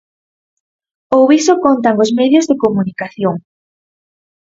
Ou iso contan os medios de comunicación.